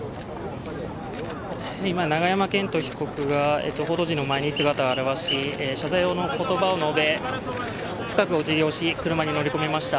今、永山絢斗被告が報道陣の前に姿を現し、謝罪の言葉を述べ、深くおじぎをし車に乗り込みました。